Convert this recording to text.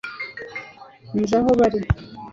nzi aho bari